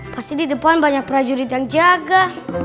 pasti di depan banyak prajurit yang jaga